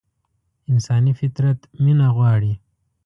انساني فطرت مينه غواړي.